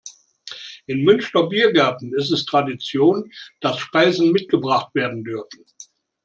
In Münchner Biergärten ist es Tradition, dass Speisen mitgebracht werden dürfen.